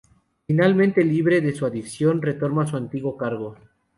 Finalmente libre de su adicción, retoma su antiguo cargo.